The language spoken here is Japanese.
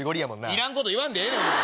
いらんこと言わんでええねん！